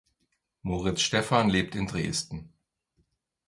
Moritz Stephan lebt in Dresden.